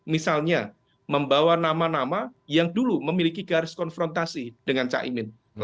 misalnya membawa nama nama yang dulu memiliki garis konfrontasi dengan caimin